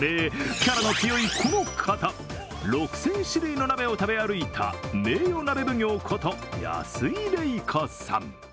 キャラの強いこの方、６０００種類の鍋を食べ歩いた名誉鍋奉行こと、安井レイコさん。